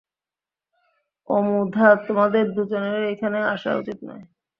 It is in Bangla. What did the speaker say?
অমুধা, তোমাদের দুজনেরই এখানে আসা উচিত নয়।